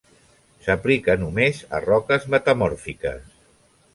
S'aplica només a roques metamòrfiques.